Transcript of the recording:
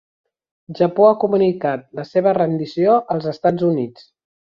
Japó ha comunicat la seva rendició als Estats Units.